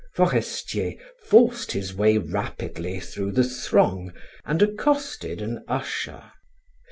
Forestier forced his way rapidly through the throng and accosted an usher.